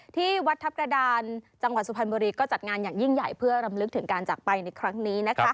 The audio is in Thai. ที่วัดทัพกระดานจังหวัดสุพรรณบุรีก็จัดงานอย่างยิ่งใหญ่เพื่อรำลึกถึงการจากไปในครั้งนี้